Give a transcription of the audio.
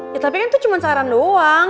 ya tapi kan itu cuma saran doang